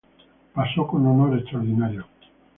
Pasó con honor extraordinario.